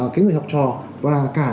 cái người học trò và cả